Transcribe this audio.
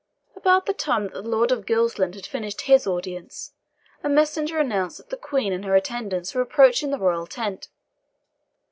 About the time that the Lord of Gilsland had finished his audience, a messenger announced that the Queen and her attendants were approaching the royal tent.